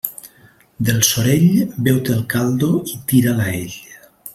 Del sorell, beu-te el caldo i tira'l a ell.